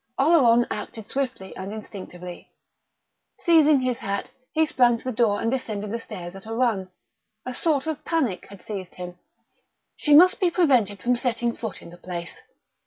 Oleron acted swiftly and instinctively. Seizing his hat, he sprang to the door and descended the stairs at a run. A sort of panic had seized him. She must be prevented from setting foot in the place.